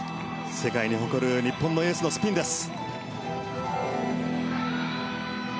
世界に誇る日本のエースのスピンです。